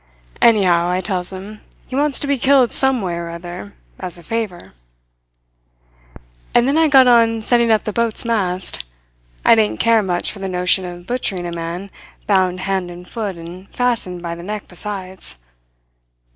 "'Anyhow,' I tells him, 'he wants to be killed some way or other, as a favour.' "And then I go on setting up the boat's mast. I didn't care much for the notion of butchering a man bound hand and foot and fastened by the neck besides.